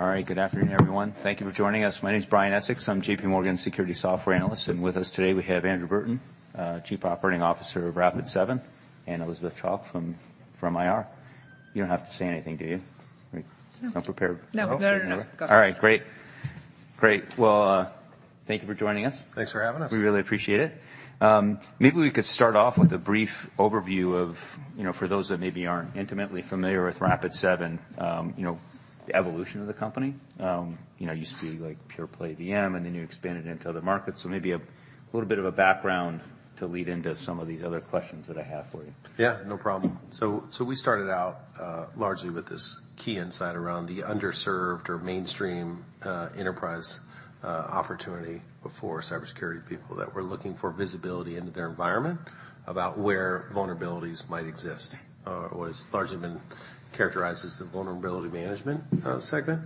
All right. Good afternoon, everyone. Thank you for joining us. My name is Brian Essex. I'm JPMorgan Security Software Analyst, and with us today, we have Andrew Burton, Chief Operating Officer of Rapid7, and Elizabeth Chwalk from IR. You don't have to say anything, do you? No. Not prepared? No, no, no, no. Go. All right, great. Great. Well, thank you for joining us. Thanks for having us. We really appreciate it. Maybe we could start off with a brief overview of, you know, for those that maybe aren't intimately familiar with Rapid7, you know, the evolution of the company. You know, you used to be like pure play VM, and then you expanded into other markets. So maybe a little bit of a background to lead into some of these other questions that I have for you. Yeah, no problem. So, so we started out largely with this key insight around the underserved or mainstream enterprise opportunity before cybersecurity people that were looking for visibility into their environment about where vulnerabilities might exist, what has largely been characterized as the vulnerability management segment.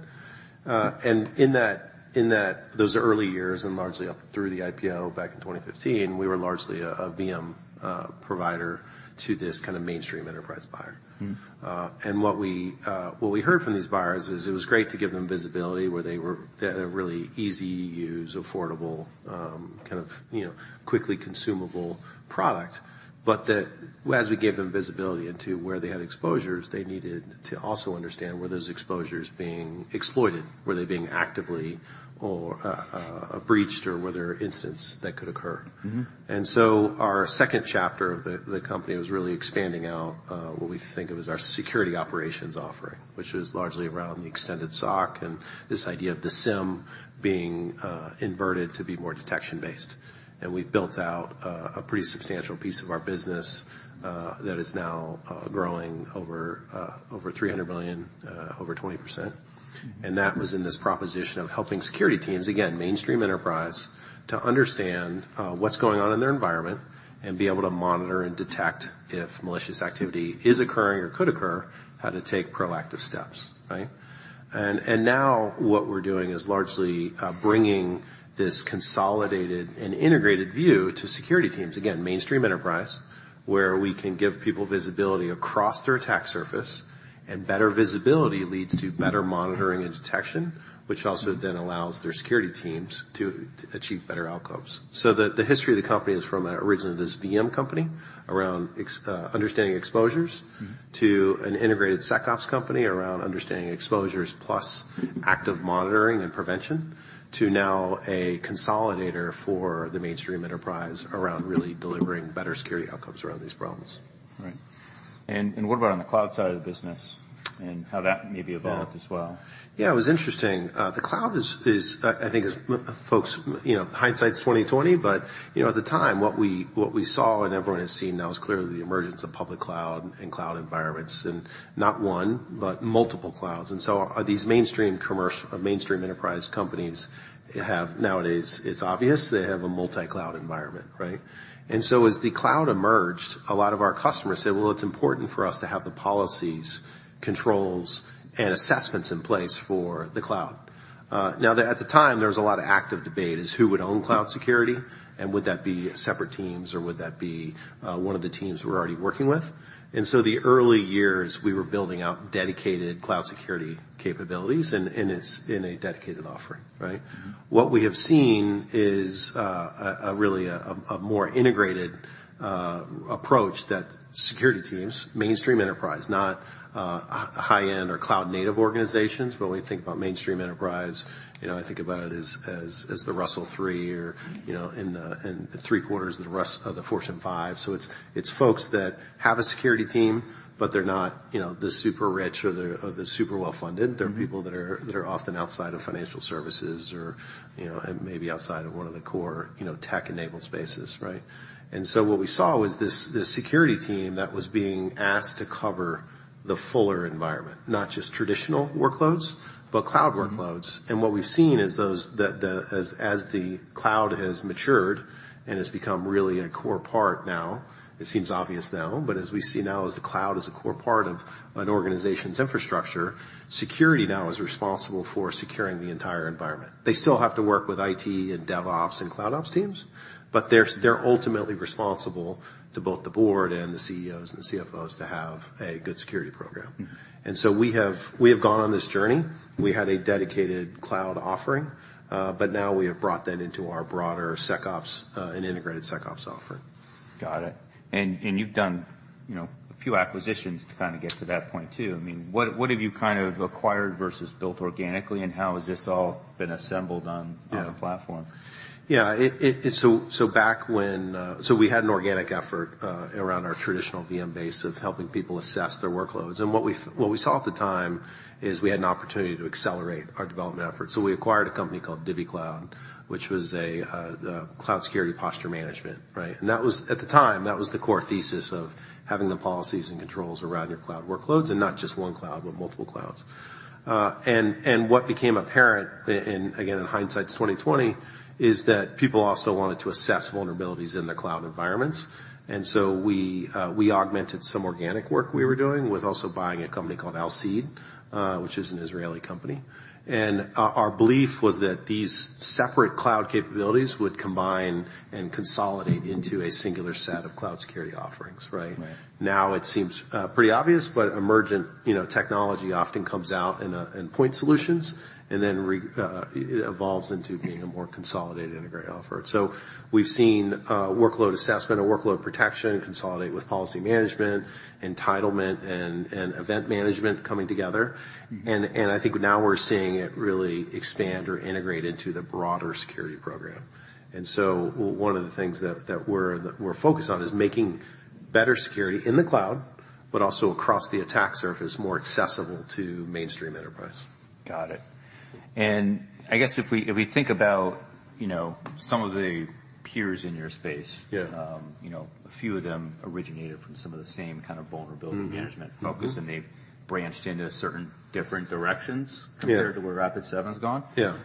And in that, those early years, and largely up through the IPO back in 2015, we were largely a VM provider to this kind of mainstream enterprise buyer. Mm-hmm. And what we heard from these buyers is it was great to give them visibility where they were. They had a really easy use, affordable, kind of, you know, quickly consumable product. But that as we gave them visibility into where they had exposures, they needed to also understand were those exposures being exploited, were they being actively or breached, or were there incidents that could occur? Mm-hmm. And so our second chapter of the company was really expanding out what we think of as our security operations offering, which was largely around the extended SOC and this idea of the SIEM being inverted to be more detection-based. And we've built out a pretty substantial piece of our business that is now growing over $300 million over 20%. And that was in this proposition of helping security teams, again, mainstream enterprise, to understand what's going on in their environment and be able to monitor and detect if malicious activity is occurring or could occur, how to take proactive steps, right? And now what we're doing is largely bringing this consolidated and integrated view to security teams. Again, mainstream enterprise, where we can give people visibility across their attack surface, and better visibility leads to better monitoring and detection, which also then allows their security teams to achieve better outcomes. So the history of the company is from originally this VM company around, understanding exposures. Mm-hmm. to an integrated SecOps company around understanding exposures plus active monitoring and prevention, to now a consolidator for the mainstream enterprise around really delivering better security outcomes around these problems. Right. And what about on the cloud side of the business and how that maybe evolved as well? Yeah, it was interesting. The cloud is. I think as folks, you know, hindsight's 20/20, but, you know, at the time, what we saw, and everyone has seen now, is clearly the emergence of public cloud and cloud environments, and not one, but multiple clouds. And so these mainstream commercial or mainstream enterprise companies have nowadays, it's obvious they have a multi-cloud environment, right? And so as the cloud emerged, a lot of our customers said: Well, it's important for us to have the policies, controls, and assessments in place for the cloud. Now, at the time, there was a lot of active debate is who would own cloud security, and would that be separate teams, or would that be one of the teams we're already working with? The early years, we were building out dedicated cloud security capabilities in a dedicated offering, right? Mm-hmm. What we have seen is really a more integrated approach that security teams mainstream enterprise not high-end or cloud-native organizations. But when we think about mainstream enterprise, you know, I think about it as the Russell 3 or, you know, in three-quarters of the rest of the Fortune 5. So it's folks that have a security team, but they're not, you know, the super-rich or the super well-funded. Mm-hmm. They're people that are often outside of financial services or, you know, maybe outside of one of the core, you know, tech-enabled spaces, right? And so what we saw was this security team that was being asked to cover the fuller environment, not just traditional workloads, but cloud workloads. Mm-hmm. What we've seen is that as the cloud has matured and has become really a core part now, it seems obvious now, but as we see now, as the cloud is a core part of an organization's infrastructure, security now is responsible for securing the entire environment. They still have to work with IT and DevOps and Cloud Ops teams, but they're ultimately responsible to both the board and the CEOs and CFOs to have a good security program. Mm-hmm. So we have gone on this journey. We had a dedicated cloud offering, but now we have brought that into our broader SecOps and integrated SecOps offering. Got it. And you've done, you know, a few acquisitions to kind of get to that point too. I mean, what have you kind of acquired versus built organically, and how has this all been assembled on- Yeah -the platform? Yeah. So back when, so we had an organic effort around our traditional VM base of helping people assess their workloads. And what we saw at the time is we had an opportunity to accelerate our development efforts. So we acquired a company called DivvyCloud, which was a the cloud security posture management, right? And that was, at the time, that was the core thesis of having the policies and controls around your cloud workloads, and not just one cloud, but multiple clouds. And what became apparent, and again, in hindsight, it's 20/20, is that people also wanted to assess vulnerabilities in their cloud environments. And so we augmented some organic work we were doing with also buying a company called Alcide, which is an Israeli company. Our belief was that these separate cloud capabilities would combine and consolidate into a singular set of cloud security offerings, right? Right. Now, it seems pretty obvious, but emergent, you know, technology often comes out in point solutions and then it evolves into being a more consolidated, integrated offer. So we've seen workload assessment and workload protection consolidate with policy management, entitlement, and event management coming together. Mm-hmm. I think now we're seeing it really expand or integrate into the broader security program. And so one of the things that we're focused on is making better security in the cloud, but also across the attack surface, more accessible to mainstream enterprise. Got it. And I guess if we think about, you know, some of the peers in your space- Yeah. You know, a few of them originated from some of the same kind of vulnerability. Mm-hmm, mm-hmm management focus, and they've branched into certain different directions Yeah Compared to where Rapid7's gone. Yeah.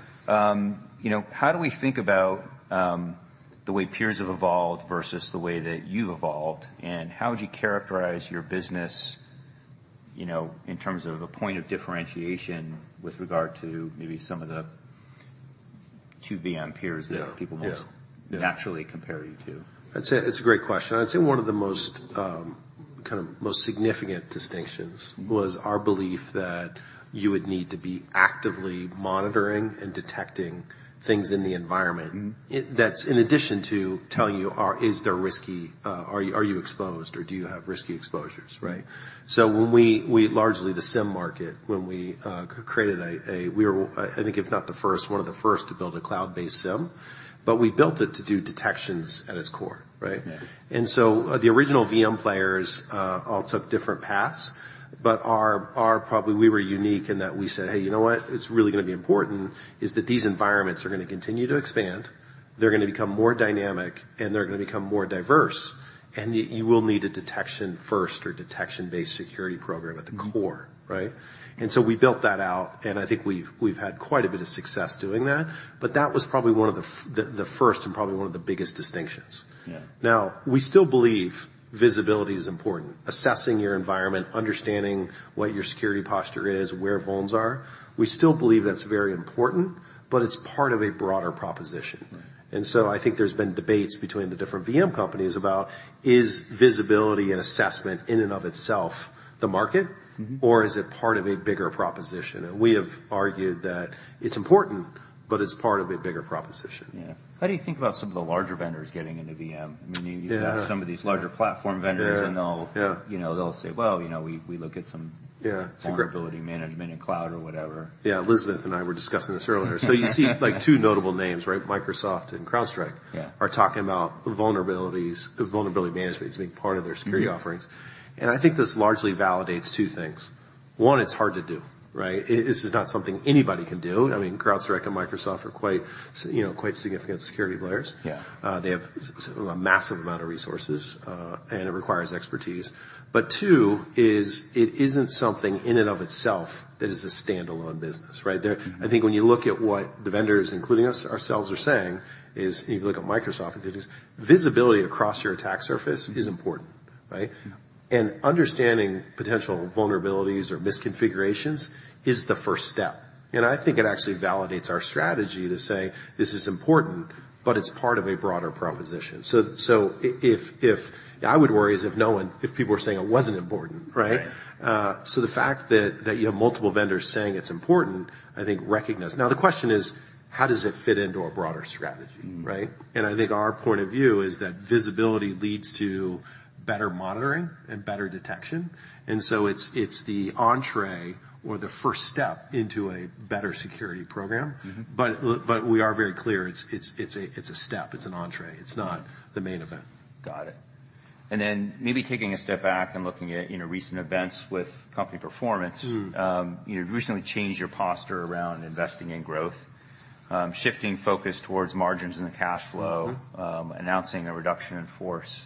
You know, how do we think about the way peers have evolved versus the way that you've evolved? And how would you characterize your business, you know, in terms of a point of differentiation with regard to maybe some of the 2VM peers- Yeah, yeah that people most naturally compare you to? I'd say it's a great question. I'd say one of the most, kind of most significant distinctions was our belief that you would need to be actively monitoring and detecting things in the environment. Mm-hmm. That's in addition to telling you, is there risky, are you exposed, or do you have risky exposures, right? So when we largely the SIEM market, when we created a, we were, I think, if not the first, one of the first to build a cloud-based SIEM, but we built it to do detections at its core, right? Yeah. And so, the original VM players all took different paths, but our probably we were unique in that we said, "Hey, you know what? It's really gonna be important is that these environments are gonna continue to expand, they're gonna become more dynamic, and they're gonna become more diverse. And you will need a detection first or detection-based security program at the core," right? And so we built that out, and I think we've had quite a bit of success doing that. But that was probably one of the first and probably one of the biggest distinctions. Yeah. Now, we still believe visibility is important. Assessing your environment, understanding what your security posture is, where vulns are, we still believe that's very important, but it's part of a broader proposition. Right. And so I think there's been debates between the different VM companies about, is visibility and assessment in and of itself, the market? Mm-hmm. Or is it part of a bigger proposition? We have argued that it's important, but it's part of a bigger proposition. Yeah. How do you think about some of the larger vendors getting into VM? Yeah. I mean, you have some of these larger platform vendors- Yeah -and they'll- Yeah you know, they'll say, "Well, you know, we, we look at some- Yeah. vulnerability management in cloud or whatever. Yeah. Elizabeth and I were discussing this earlier. So you see, like, two notable names, right? Microsoft and CrowdStrike- Yeah are talking about vulnerabilities, vulnerability management as being part of their security offerings. Mm-hmm. I think this largely validates two things. One, it's hard to do, right? It, this is not something anybody can do. I mean, CrowdStrike and Microsoft are quite, you know, quite significant security players. Yeah. They have a massive amount of resources, and it requires expertise. But too, it isn't something in and of itself that is a standalone business, right? Mm-hmm. I think when you look at what the vendors, including us, ourselves, are saying, is... If you look at Microsoft, it is visibility across your attack surface is important, right? Mm-hmm. Understanding potential vulnerabilities or misconfigurations is the first step. And I think it actually validates our strategy to say, "This is important, but it's part of a broader proposition." So, if I would worry is if no one—if people were saying it wasn't important, right? Right. So the fact that you have multiple vendors saying it's important, I think, recognize. Now, the question is: How does it fit into our broader strategy, right? Mm-hmm. I think our point of view is that visibility leads to better monitoring and better detection, and so it's the entry or the first step into a better security program. Mm-hmm. But we are very clear, it's a step, it's an entry, it's not the main event. Got it. And then maybe taking a step back and looking at, you know, recent events with company performance. Mm-hmm. You recently changed your posture around investing in growth, shifting focus towards margins and the cash flow- Mm-hmm... announcing a reduction in force,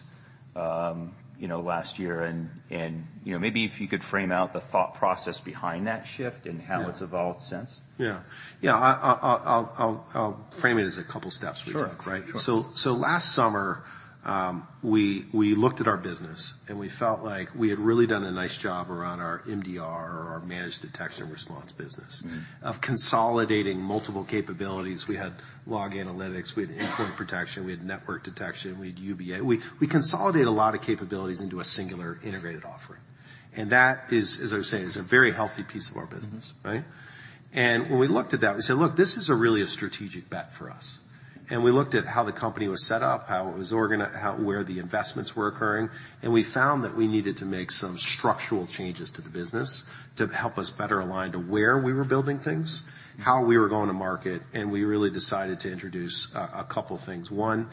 you know, last year. And, you know, maybe if you could frame out the thought process behind that shift- Yeah and how it's evolved since. Yeah. Yeah, I'll frame it as a couple of steps we took. Sure. Right? Sure. So last summer, we looked at our business, and we felt like we had really done a nice job around our MDR or our Managed Detection and Response business- Mm-hmm Of consolidating multiple capabilities. We had log analytics, we had endpoint protection, we had network detection, we had UBA. We, we consolidate a lot of capabilities into a singular integrated offering. And that is, as I was saying, is a very healthy piece of our business. Mm-hmm. Right? And when we looked at that, we said: Look, this is really a strategic bet for us. And we looked at how the company was set up, how it was, how, where the investments were occurring, and we found that we needed to make some structural changes to the business to help us better align to where we were building things. Mm-hmm... how we were going to market, and we really decided to introduce a couple of things. One,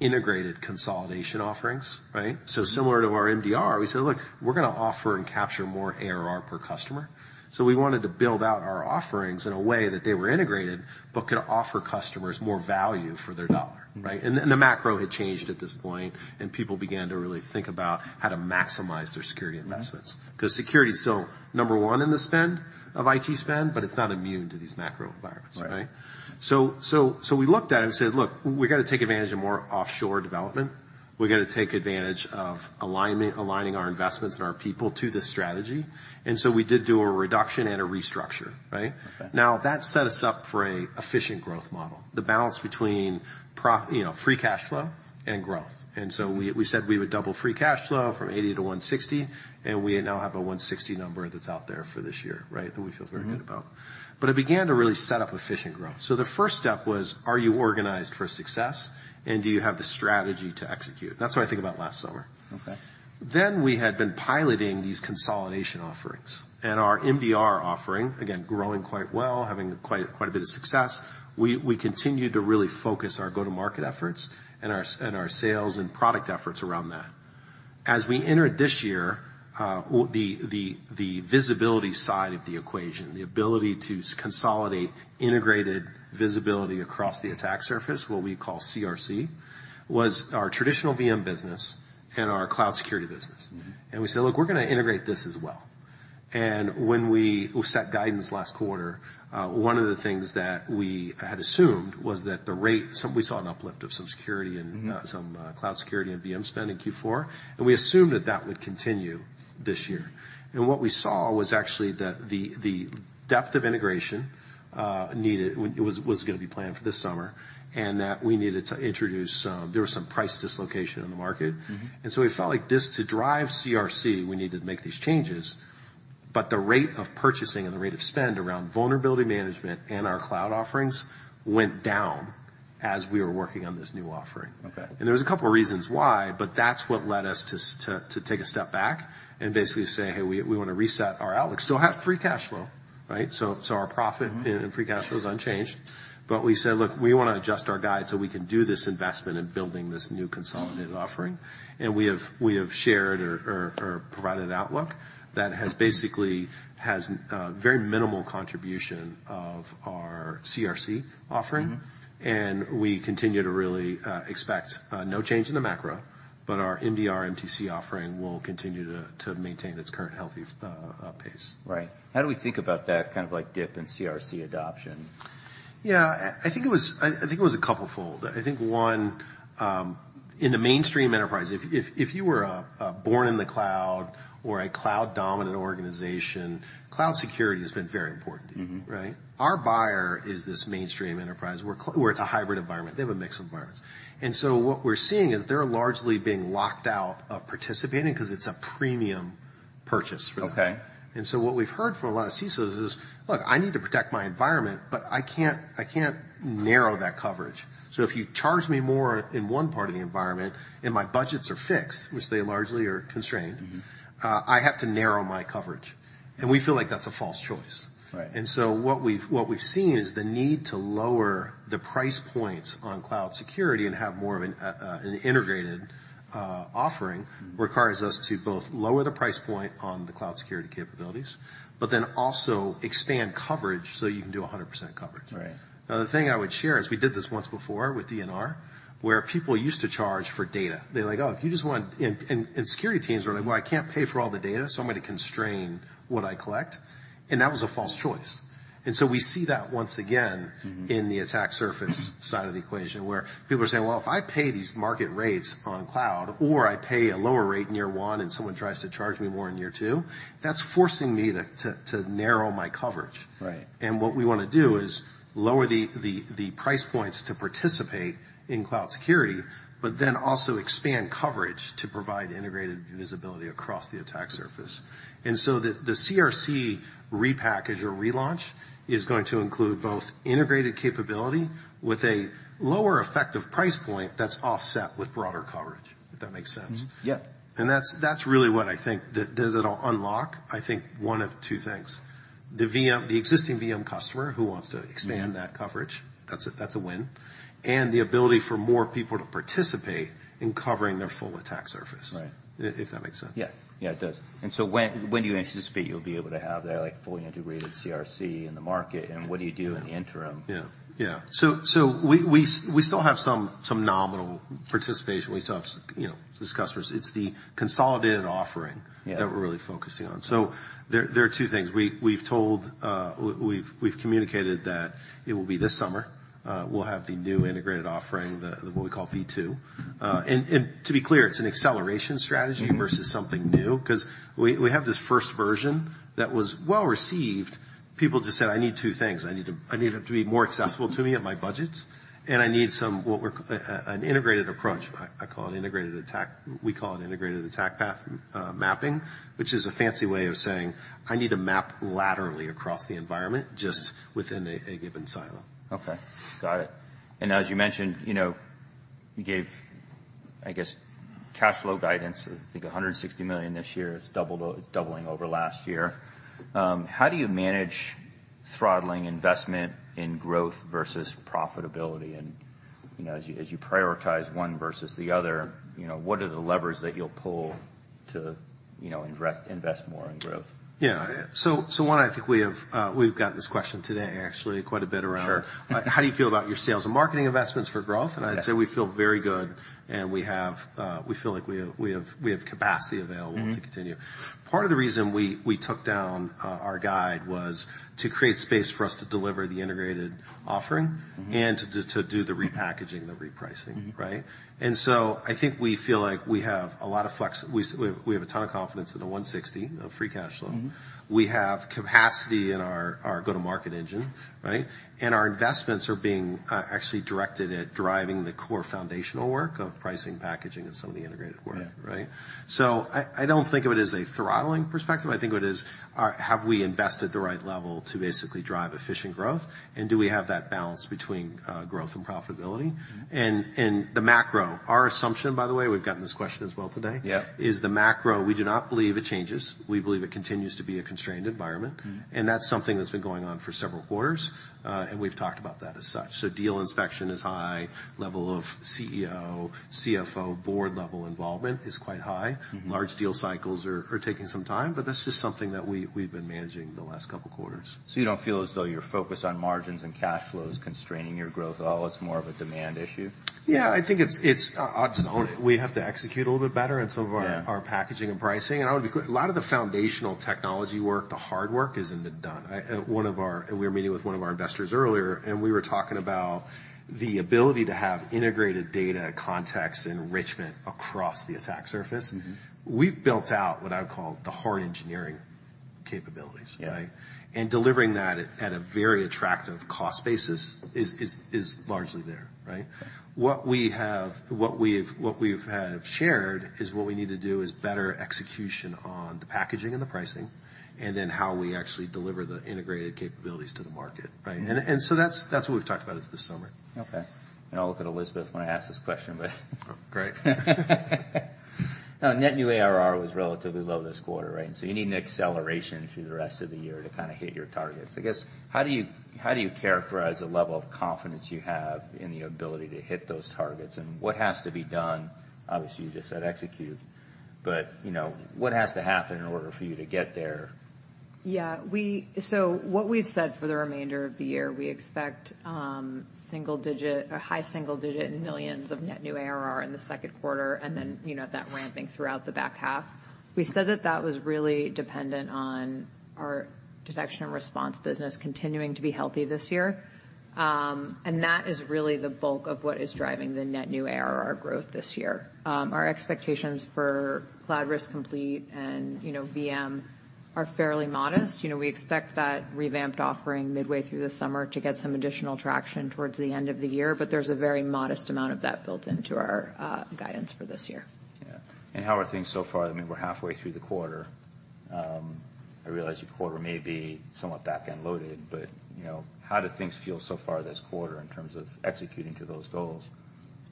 integrated consolidation offerings, right? Mm-hmm. Similar to our MDR, we said: Look, we're gonna offer and capture more ARR per customer. We wanted to build out our offerings in a way that they were integrated, but could offer customers more value for their dollar, right? Mm-hmm. The macro had changed at this point, and people began to really think about how to maximize their security investments. Mm-hmm. Because security is still number one in the spend of IT spend, but it's not immune to these macro environments- Right... right? So, we looked at it and said: Look, we've got to take advantage of more offshore development. We've got to take advantage of alignment-aligning our investments and our people to this strategy. And so we did do a reduction and a restructure, right? Right. Now, that set us up for an efficient growth model, the balance between, you know, free cash flow and growth. So we said we would double free cash flow from $80 to $160, and we now have a $160 number that's out there for this year, right? That we feel very good about. Mm-hmm. It began to really set up efficient growth. The first step was: Are you organized for success, and do you have the strategy to execute? That's what I think about last summer. Okay. Then we had been piloting these consolidation offerings, and our MDR offering, again, growing quite well, having quite a bit of success. We continued to really focus our go-to-market efforts and our sales and product efforts around that. As we entered this year, the visibility side of the equation, the ability to consolidate integrated visibility across the attack surface, what we call CRC, was our traditional VM business and our cloud security business. Mm-hmm. And we said, "Look, we're going to integrate this as well." And when we set guidance last quarter, one of the things that we had assumed was that the rate- so we saw an uplift of some security and- Mm-hmm some cloud security and VM spend in Q4, and we assumed that that would continue this year. And what we saw was actually the depth of integration needed when it was going to be planned for this summer, and that we needed to introduce some. There was some price dislocation in the market. Mm-hmm. And so we felt like this, to drive CRC, we needed to make these changes, but the rate of purchasing and the rate of spend around vulnerability management and our cloud offerings went down as we were working on this new offering. Okay. There was a couple of reasons why, but that's what led us to take a step back and basically say, "Hey, we, we want to reset our outlook." Still have free cash flow, right? So, so our profit- Mm-hmm and free cash flow is unchanged. But we said: Look, we want to adjust our guide so we can do this investment in building this new consolidated offering. Mm-hmm. And we have shared or provided an outlook that has basically- Okay... has very minimal contribution of our CRC offering. Mm-hmm. We continue to really expect no change in the macro, but our MDR MTC offering will continue to maintain its current healthy pace. Right. How do we think about that, kind of like, dip in CRC adoption? Yeah, I think it was a couple fold. I think, one, in the mainstream enterprise, if you were born in the cloud or a cloud-dominant organization, cloud security has been very important to you. Mm-hmm. Right? Our buyer is this mainstream enterprise, where it's a hybrid environment. They have a mix of environments. And so what we're seeing is they're largely being locked out of participating because it's a premium purchase for them. Okay. And so what we've heard from a lot of CISOs is, "Look, I need to protect my environment, but I can't, I can't narrow that coverage. So if you charge me more in one part of the environment, and my budgets are fixed," which they largely are constrained- Mm-hmm I have to narrow my coverage." We feel like that's a false choice. Right. And so what we've seen is the need to lower the price points on cloud security and have more of an integrated offering- Mm-hmm requires us to both lower the price point on the cloud security capabilities, but then also expand coverage so you can do 100% coverage. Right. Now, the thing I would share is, we did this once before with DNR, where people used to charge for data. They're like: "Oh, if you just want..." And security teams were like: "Well, I can't pay for all the data, so I'm going to constrain what I collect." And that was a false choice. And so we see that once again- Mm-hmm -in the attack surface side of the equation, where people are saying: "Well, if I pay these market rates on cloud or I pay a lower rate in year one and someone tries to charge me more in year two, that's forcing me to narrow my coverage. Right. And what we want to do is lower the price points to participate in cloud security, but then also expand coverage to provide integrated visibility across the attack surface. And so the CRC repackage or relaunch is going to include both integrated capability with a lower effective price point that's offset with broader coverage, if that makes sense. Mm-hmm. Yeah. And that's really what I think that it'll unlock, I think, one of two things. The VM, the existing VM customer who wants to expand- Mm-hmm that coverage, that's a, that's a win, and the ability for more people to participate in covering their full attack surface. Right If that makes sense. Yeah. Yeah, it does. And so when do you anticipate you'll be able to have that, like, fully integrated CRC in the market? Yeah. What do you do in the interim? Yeah. So we still have some nominal participation. We still have, you know, discussers. It's the consolidated offering- Yeah -that we're really focusing on. So there are two things. We've communicated that it will be this summer, we'll have the new integrated offering, what we call V2. And to be clear, it's an acceleration strategy- Mm-hmm versus something new, because we have this first version that was well received. People just said: I need two things. I need it to be more accessible to me at my budgets, and I need some, what we're an integrated approach. I call it integrated attack path mapping, which is a fancy way of saying, "I need to map laterally across the environment, just within a given silo. Okay, got it. And as you mentioned, you know, you gave, I guess, cash flow guidance of, I think, $160 million this year. It's doubling over last year. How do you manage throttling investment in growth versus profitability? And, you know, as you prioritize one versus the other, you know, what are the levers that you'll pull to, you know, invest more in growth? Yeah. So, one, I think we have, we've gotten this question today, actually, quite a bit around- Sure. How do you feel about your sales and marketing investments for growth? Yeah. I'd say we feel very good, and we feel like we have capacity available. Mm-hmm -to continue. Part of the reason we, we took down our guide was to create space for us to deliver the integrated offering- Mm-hmm and to do the repackaging, the repricing. Mm-hmm. Right? And so I think we feel like we have a lot of flex. We have a ton of confidence in the $160 of free cash flow. Mm-hmm. We have capacity in our go-to-market engine, right? And our investments are being actually directed at driving the core foundational work of pricing, packaging, and some of the integrated work. Yeah. Right? So I don't think of it as a throttling perspective. I think of it as, have we invested the right level to basically drive efficient growth, and do we have that balance between, growth and profitability? Mm-hmm. And the macro... Our assumption, by the way, we've gotten this question as well today- Yeah is the macro. We do not believe it changes. We believe it continues to be a constrained environment. Mm-hmm. That's something that's been going on for several quarters, and we've talked about that as such. So, deal inspection is high. Level of CEO, CFO, board level involvement is quite high. Mm-hmm. Large deal cycles are taking some time, but that's just something that we've been managing the last couple of quarters. You don't feel as though your focus on margins and cash flow is constraining your growth at all, it's more of a demand issue? Yeah, I think it's just we have to execute a little bit better- Yeah in some of our packaging and pricing. I would be clear, a lot of the foundational technology work, the hard work is done. One of our, we were meeting with one of our investors earlier, and we were talking about the ability to have integrated data context enrichment across the attack surface. Mm-hmm. We've built out what I would call the hard engineering capabilities. Yeah. Right? And delivering that at a very attractive cost basis is largely there, right? What we've shared is what we need to do is better execution on the packaging and the pricing, and then how we actually deliver the integrated capabilities to the market, right? Mm-hmm. And so that's what we've talked about is this summer. Okay. And I'll look at Elizabeth when I ask this question, but... Great. Now, net new ARR was relatively low this quarter, right? And so you need an acceleration through the rest of the year to kind of hit your targets. I guess, how do you, how do you characterize the level of confidence you have in the ability to hit those targets? And what has to be done? Obviously, you just said execute, but, you know, what has to happen in order for you to get there? Yeah, so what we've said for the remainder of the year, we expect single-digit or high single-digit in millions of net new ARR in the second quarter, and then, you know, that ramping throughout the back half. We said that that was really dependent on our detection and response business continuing to be healthy this year, and that is really the bulk of what is driving the net new ARR growth this year. Our expectations for Cloud Risk Complete and, you know, VM are fairly modest. You know, we expect that revamped offering midway through the summer to get some additional traction towards the end of the year, but there's a very modest amount of that built into our guidance for this year. Yeah. How are things so far? I mean, we're halfway through the quarter. I realize your quarter may be somewhat back-end loaded, but, you know, how do things feel so far this quarter in terms of executing to those goals?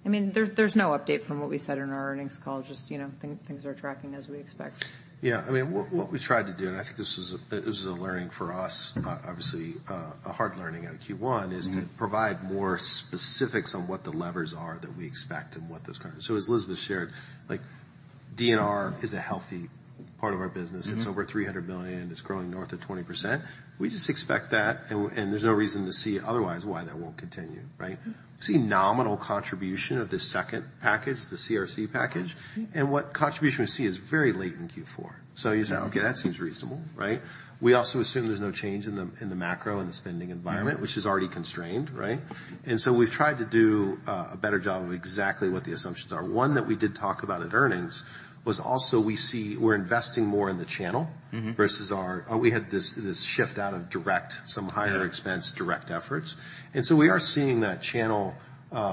I mean, there's no update from what we said in our earnings call. Just, you know, things are tracking as we expect. Yeah. I mean, what, what we tried to do, and I think this was a, this was a learning for us, obviously, a hard learning out of Q1- Mm-hmm - is to provide more specifics on what the levers are that we expect and what those are. So as Elizabeth shared, like, DNR is a healthy part of our business. Mm-hmm. It's over $300 million, it's growing north of 20%. We just expect that, and there's no reason to see otherwise why that won't continue, right? Mm-hmm. We see nominal contribution of this second package, the CRC package, and what contribution we see is very late in Q4. So you say- Okay. Okay, that seems reasonable, right? We also assume there's no change in the macro and the spending environment. Mm-hmm which is already constrained, right? Mm-hmm. And so we've tried to do a better job of exactly what the assumptions are. One that we did talk about at earnings was also we see we're investing more in the channel- Mm-hmm versus our... We had this, this shift out of direct, some higher- Yeah expense, direct efforts. And so we are seeing that channel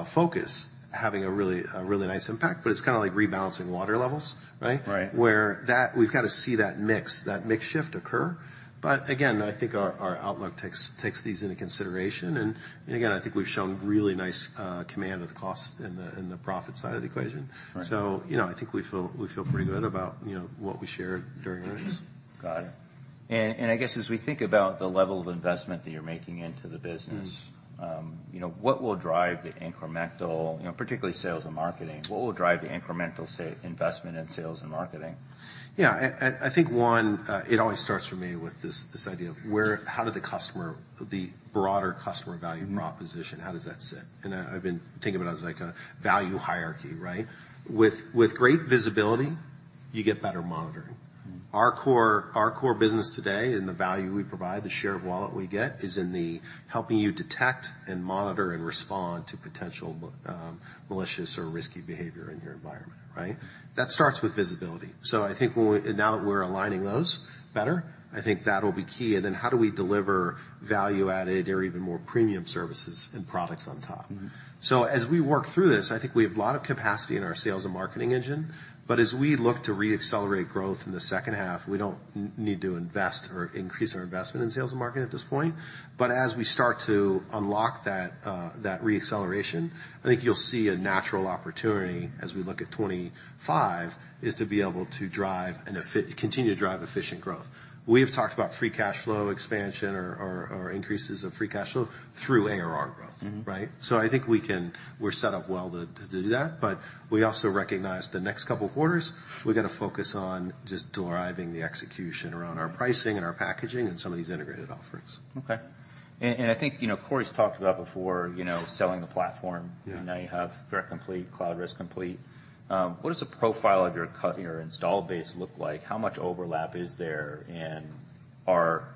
focus having a really, a really nice impact, but it's kind of like rebalancing water levels, right? Right. Where that, we've got to see that mix, that mix shift occur. But again, I think our outlook takes these into consideration. And again, I think we've shown really nice command of the cost in the profit side of the equation. Right. So, you know, I think we feel, we feel pretty good about, you know, what we shared during earnings. Got it. And I guess as we think about the level of investment that you're making into the business- Mm-hmm You know, what will drive the incremental, you know, particularly sales and marketing, what will drive the incremental investment in sales and marketing? Yeah, I think it always starts for me with this idea of where—how did the customer, the broader customer value proposition- Mm-hmm How does that sit? And, I've been thinking about it as, like, a value hierarchy, right? With, with great visibility, you get better monitoring. Mm-hmm. Our core, our core business today and the value we provide, the share of wallet we get, is in the helping you detect and monitor and respond to potential malicious or risky behavior in your environment, right? That starts with visibility. So I think when we now that we're aligning those better, I think that will be key. And then how do we deliver value-added or even more premium services and products on top? Mm-hmm. So as we work through this, I think we have a lot of capacity in our sales and marketing engine, but as we look to reaccelerate growth in the second half, we don't need to invest or increase our investment in sales and marketing at this point. But as we start to unlock that, that reacceleration, I think you'll see a natural opportunity as we look at 2025 is to be able to drive and continue to drive efficient growth. We have talked about free cash flow expansion or increases of free cash flow through ARR growth. Mm-hmm. Right? So I think we can - we're set up well to, to do that, but we also recognize the next couple of quarters, we've got to focus on just deriving the execution around our pricing and our packaging and some of these integrated offerings. Okay. And I think, you know, Corey's talked about before, you know, selling the platform. Yeah. Now you have Threat Complete, Cloud Risk Complete. What does the profile of your installed base look like? How much overlap is there, and are,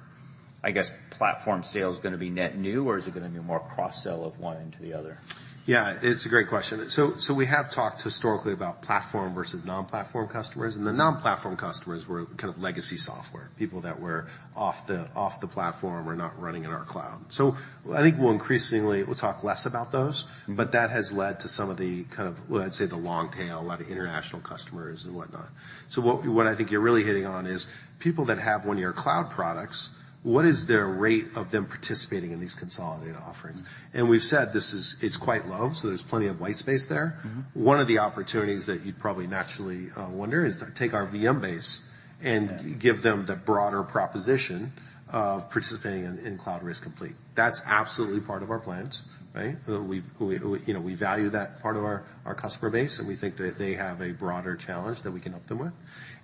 I guess, platform sales going to be net new, or is it going to be more cross-sell of one into the other? Yeah, it's a great question. So we have talked historically about platform versus non-platform customers, and the non-platform customers were kind of legacy software, people that were off the platform or not running in our cloud. So I think we'll increasingly talk less about those- Mm-hmm But that has led to some of the, kind of, what I'd say, the long tail, a lot of international customers and whatnot. So what, what I think you're really hitting on is, people that have one of your cloud products, what is their rate of them participating in these consolidated offerings? Mm-hmm. We've said this is... It's quite low, so there's plenty of white space there. Mm-hmm. One of the opportunities that you'd probably naturally wonder is to take our VM base- Yeah - and give them the broader proposition of participating in Cloud Risk Complete. That's absolutely part of our plans, right? We, you know, we value that part of our customer base, and we think that they have a broader challenge that we can help them with.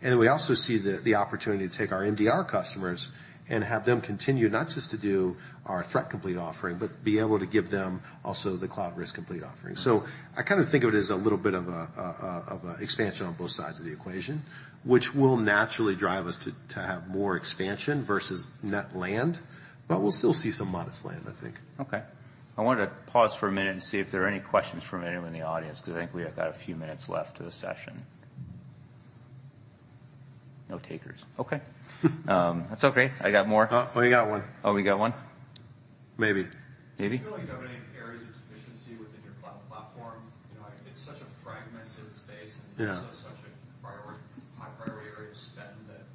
And we also see the opportunity to take our MDR customers and have them continue, not just to do our Threat Complete offering, but be able to give them also the Cloud Risk Complete offering. Mm-hmm. So I kind of think of it as a little bit of an expansion on both sides of the equation, which will naturally drive us to have more expansion versus net land, but we'll still see some modest land, I think. Okay. I wanted to pause for a minute and see if there are any questions from anyone in the audience, because I think we have got a few minutes left to the session... No takers. Okay. That's okay, I got more. Oh, we got one. Oh, we got one? Maybe. Maybe? [inaudible] it's such a fragment in space. Yeah. It's such a priority, high priority area of spend that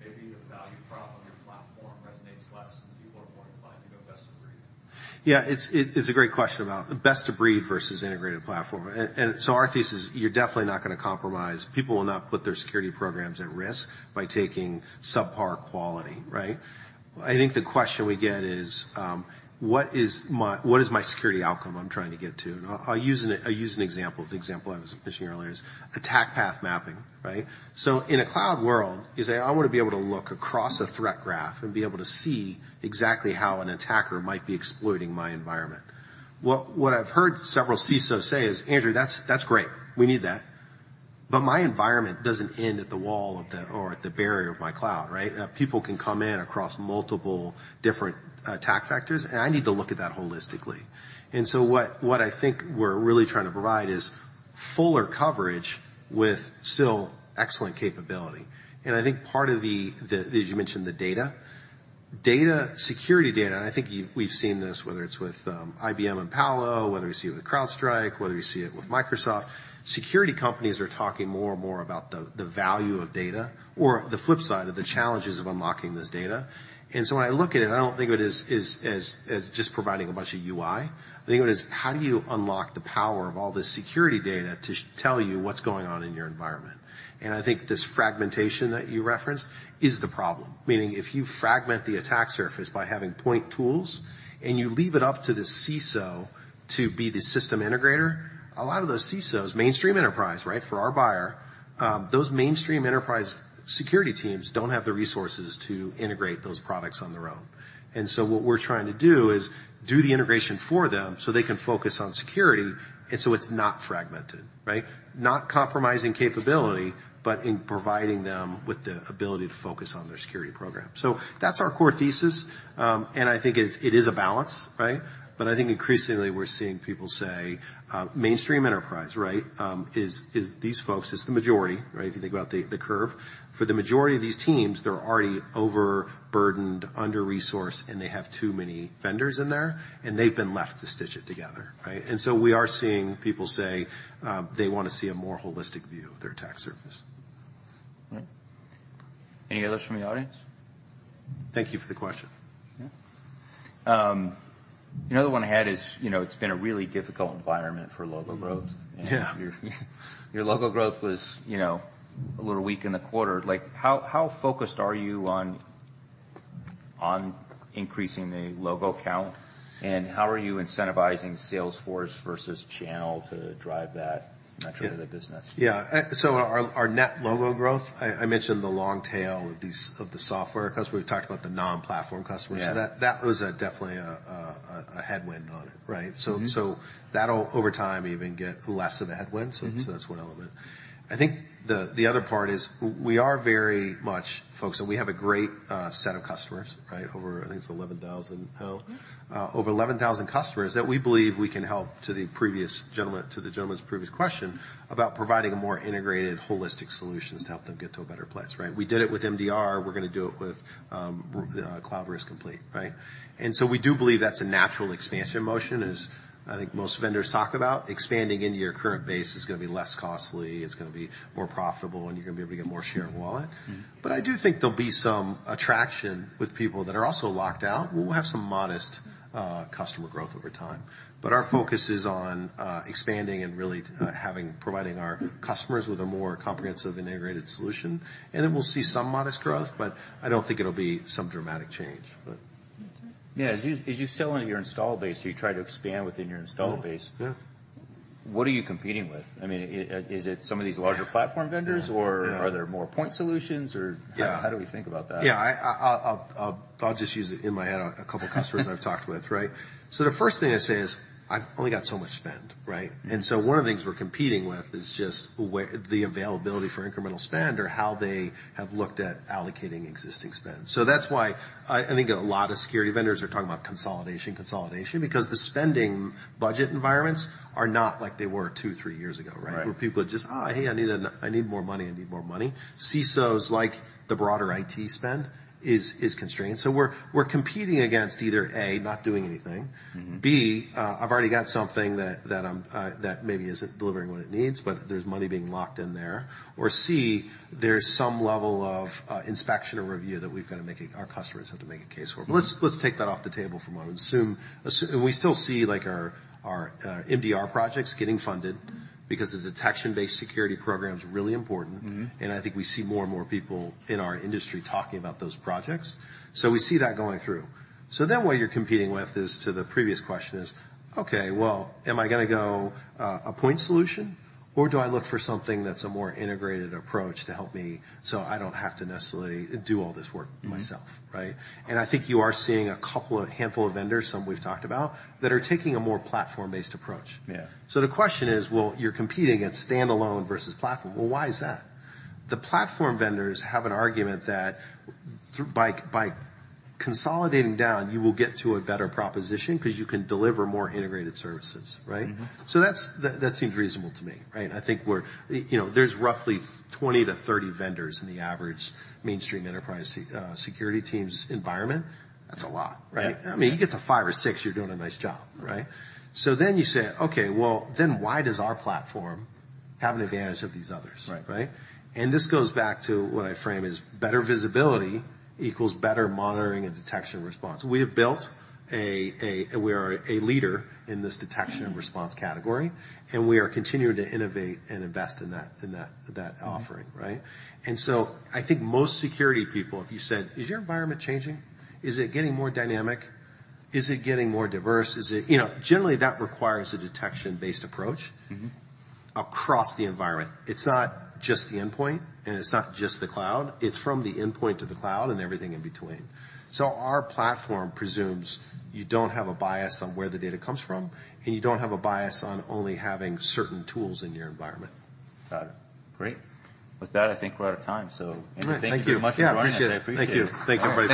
maybe the value prop on your platform resonates less, and people are more inclined to go best of breed. Yeah, it's, it's a great question about the best of breed versus integrated platform. And, and so our thesis, you're definitely not going to compromise. People will not put their security programs at risk by taking subpar quality, right? I think the question we get is, what is my-- what is my security outcome I'm trying to get to? I'll use an, I'll use an example. The example I was mentioning earlier is attack path mapping, right? So in a cloud world, you say, "I want to be able to look across a threat graph and be able to see exactly how an attacker might be exploiting my environment." Well, what I've heard several CISO say is: "Andrew, that's, that's great, we need that. But my environment doesn't end at the wall of the... or at the barrier of my cloud, right? People can come in across multiple different attack vectors, and I need to look at that holistically." And so what, what I think we're really trying to provide is fuller coverage with still excellent capability. And I think part of the, as you mentioned, the data. Data, security data, and I think we've seen this, whether it's with IBM and Palo, whether we see it with CrowdStrike, whether we see it with Microsoft. Security companies are talking more and more about the value of data or the flip side of the challenges of unlocking this data. And so when I look at it, I don't think of it as just providing a bunch of UI. I think of it as: How do you unlock the power of all this security data to tell you what's going on in your environment? And I think this fragmentation that you referenced is the problem. Meaning, if you fragment the attack surface by having point tools, and you leave it up to the CISO to be the system integrator, a lot of those CISOs, mainstream enterprise, right, for our buyer, those mainstream enterprise security teams don't have the resources to integrate those products on their own. And so what we're trying to do is do the integration for them so they can focus on security, and so it's not fragmented, right? Not compromising capability, but in providing them with the ability to focus on their security program. So that's our core thesis, and I think it is a balance, right? But I think increasingly we're seeing people say, mainstream enterprise, right, is these folks, it's the majority, right? If you think about the curve. For the majority of these teams, they're already overburdened, under-resourced, and they have too many vendors in there, and they've been left to stitch it together, right? And so we are seeing people say, they want to see a more holistic view of their attack surface. All right. Any others from the audience? Thank you for the question. Yeah. Another one I had is, you know, it's been a really difficult environment for logo growth. Yeah. Your logo growth was, you know, a little weak in the quarter. Like, how, how focused are you on, on increasing the logo count? And how are you incentivizing sales force versus channel to drive that metric of the business? Yeah. So our net logo growth, I mentioned the long tail of these, of the software, because we've talked about the non-platform customers. Yeah. So that, that was definitely a headwind on it, right? Mm-hmm. So that'll over time, even get less of a headwind. Mm-hmm. So that's one element. I think the other part is we are very much focused, and we have a great set of customers, right? Over, I think it's 11,000 now. Mm-hmm. Over 11,000 customers that we believe we can help, to the previous gentleman, to the gentleman's previous question, about providing a more integrated, holistic solutions to help them get to a better place, right? We did it with MDR. We're going to do it with Cloud Risk Complete, right? And so we do believe that's a natural expansion motion, as I think most vendors talk about, expanding into your current base is going to be less costly, it's going to be more profitable, and you're going to be able to get more share of wallet. Mm-hmm. But I do think there'll be some attraction with people that are also locked out. We'll have some modest customer growth over time, but our focus is on expanding and really t- having... providing our customers with a more comprehensive, integrated solution. And then we'll see some modest growth, but I don't think it'll be some dramatic change, but- Yeah. As you, as you sell into your install base, do you try to expand within your install base? Yeah. What are you competing with? I mean, is it some of these larger platform vendors? Yeah. Or are there more point solutions or. Yeah. How do we think about that? Yeah. I'll just use, in my head, a couple customers I've talked with, right? So the first thing they say is, "I've only got so much spend," right? Mm-hmm. One of the things we're competing with is just the availability for incremental spend or how they have looked at allocating existing spend. That's why I think a lot of security vendors are talking about consolidation, consolidation, because the spending budget environments are not like they were two, three years ago, right? Right. Where people are just, "Oh, hey, I need more money. I need more money." CISOs, like the broader IT spend, is constrained. So we're competing against either A, not doing anything. Mm-hmm. B, I've already got something that maybe isn't delivering what it needs, but there's money being locked in there. Or C, there's some level of inspection or review that our customers have to make a case for. Mm-hmm. But let's take that off the table for a moment. Assume... We still see, like, our MDR projects getting funded because the detection-based security program is really important. Mm-hmm. I think we see more and more people in our industry talking about those projects. We see that going through. Then what you're competing with is, to the previous question, is: Okay, well, am I going to go a point solution, or do I look for something that's a more integrated approach to help me, so I don't have to necessarily do all this work myself, right? Mm-hmm. I think you are seeing a couple of handful of vendors, some we've talked about, that are taking a more platform-based approach. Yeah. So the question is: Well, you're competing against standalone versus platform. Well, why is that? The platform vendors have an argument that by consolidating down, you will get to a better proposition because you can deliver more integrated services, right? Mm-hmm. So that seems reasonable to me, right? I think we're... You know, there's roughly 20-30 vendors in the average mainstream enterprise security teams environment. That's a lot, right? Yeah. I mean, you get to five or six, you're doing a nice job, right? Mm-hmm. So then you say, "Okay, well, then why does our platform have an advantage over these others? Right. Right? And this goes back to what I frame is better visibility equals better monitoring and detection response. We have built. We are a leader in this detection and response category, and we are continuing to innovate and invest in that offering, right? Mm-hmm. And so I think most security people, if you said, "Is your environment changing? Is it getting more dynamic? Is it getting more diverse? Is it..." You know, generally, that requires a detection-based approach- Mm-hmm Across the environment. It's not just the endpoint, and it's not just the cloud. It's from the endpoint to the cloud and everything in between. So our platform presumes you don't have a bias on where the data comes from, and you don't have a bias on only having certain tools in your environment. Got it. Great. With that, I think we're out of time. So, Andrew, thank you very much. Yeah, appreciate it. I appreciate it. Thank you. Thank you, everybody.